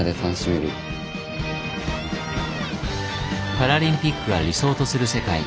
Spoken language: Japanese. パラリンピックが理想とする世界。